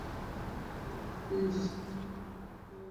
এ হাদীসটি যঈফ পর্যায়ের।